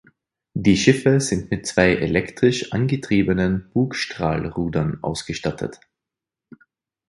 Die Schiffe sind mit zwei elektrisch angetriebenen Bugstrahlrudern ausgestattet.